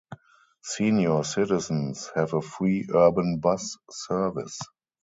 Senior citizens have a free urban bus service.